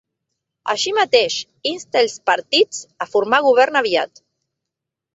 Així mateix, insta els partits a formar govern aviat.